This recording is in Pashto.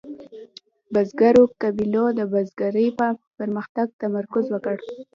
بزګرو قبیلو د بزګرۍ په پرمختګ تمرکز وکړ.